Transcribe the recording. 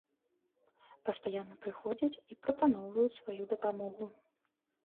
Пастаянна прыходзяць і прапаноўваюць сваю дапамогу.